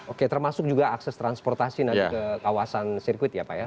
oke termasuk juga akses transportasi nanti ke kawasan sirkuit ya pak ya